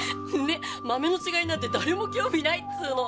ねっ豆の違いなんて誰も興味ないっつうの。